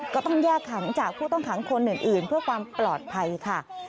ก็ต้องแยกขังจากผู้ต้องขังคนอื่นเพื่อความปลอดภัยค่ะ